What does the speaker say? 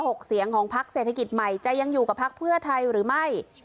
หกเสียงของพักเศรษฐกิจใหม่จะยังอยู่กับพักเพื่อไทยหรือไม่